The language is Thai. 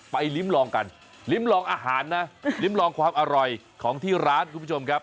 ลิ้มลองกันลิ้มลองอาหารนะลิ้มลองความอร่อยของที่ร้านคุณผู้ชมครับ